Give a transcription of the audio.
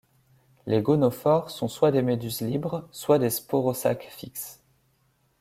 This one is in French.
Les gonophores sont soit des méduses libres soit des sporosacs fixes.